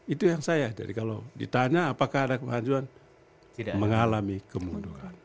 itu yang saya jadi kalau ditanya apakah ada kehancuran mengalami kemunduran